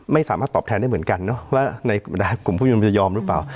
ไม่สามารถตอบแทนได้เหมือนกันเนอะว่าในกลุ่มผู้ชมจะยอมหรือเปล่า